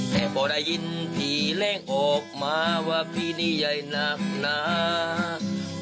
แต่พอได้ยินผีแรงออกมาว่าพี่นี่ใหญ่หนักหนา